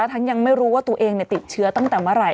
ทั้งยังไม่รู้ว่าตัวเองติดเชื้อตั้งแต่เมื่อไหร่